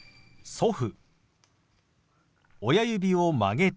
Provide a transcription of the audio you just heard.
「祖父」。